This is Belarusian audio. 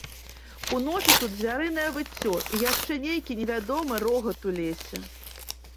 Уночы тут звярынае выццё і яшчэ нейкі невядомы рогат у лесе.